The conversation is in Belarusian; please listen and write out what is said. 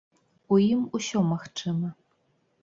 У ім усё магчыма.